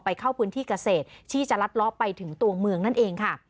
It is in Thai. เข้าพื้นที่เกษตรที่จะลัดล้อไปถึงตัวเมืองนั่นเองค่ะ